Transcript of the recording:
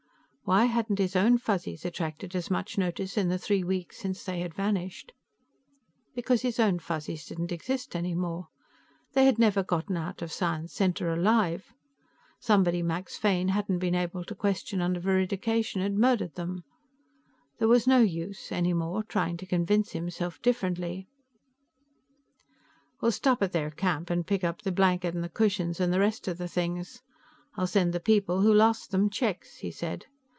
Why hadn't his own Fuzzies attracted as much notice in the three weeks since they had vanished? Because his own Fuzzies didn't exist any more. They had never gotten out of Science Center alive. Somebody Max Fane hadn't been able to question under veridication had murdered them. There was no use, any more, trying to convince himself differently. "We'll stop at their camp and pick up the blanket and the cushions and the rest of the things. I'll send the people who lost them checks," he said.